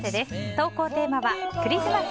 投稿テーマは、クリスマス！